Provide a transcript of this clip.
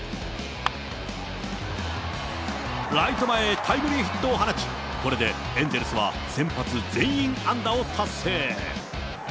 ライト前へタイムリーヒットを放ち、これでエンゼルスは、先発全員安打を達成。